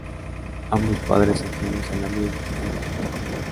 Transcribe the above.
Ambos padres ajenos al ambiente artístico.